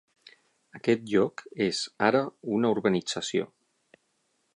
Aquest lloc és ara una urbanització.